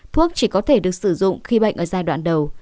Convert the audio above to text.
thuốc chỉ có thể được sử dụng khi bệnh ở giai đoạn đầu